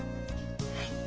はい。